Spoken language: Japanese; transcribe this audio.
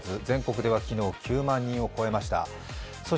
全国では昨日、９万人を超えました。